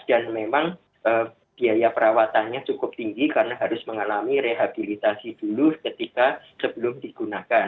dan memang biaya perawatannya cukup tinggi karena harus mengalami rehabilitasi dulu ketika sebelum digunakan